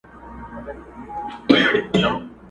چي د مجنون په تلاښ ووزمه لیلا ووینم٫